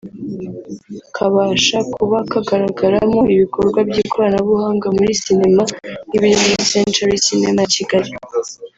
kabasha kuba kagaragaramo ibikorwa by’ikoranabuhanga muri sinema nk’ibiri muri Century Cinema ya Kigali